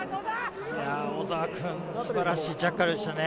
小澤君、素晴らしいジャッカルでしたね。